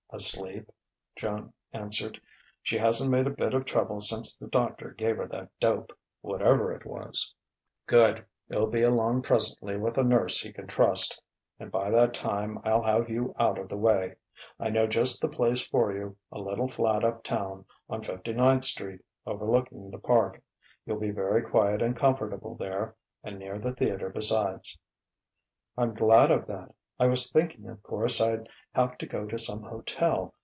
"Asleep," Joan answered. "She hasn't made a bit of trouble since the doctor gave her that dope whatever it was." "Good. He'll be along presently with a nurse he can trust. And by that time I'll have you out of the way. I know just the place for you, a little flat uptown, on Fifty ninth Street, overlooking the Park. You'll be very quiet and comfortable there, and near the theatre besides." "I'm glad of that. I was thinking, of course, I'd have to go to some hotel